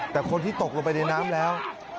แต่คนที่ตกลงไปในน้ำแล้ว